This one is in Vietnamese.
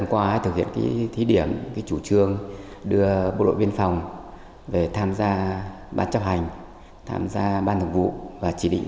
thì qua cái thời gian thực hiện thí điểm chúng ta thấy đây là một cái chủ trương tôi cho là rất là đúng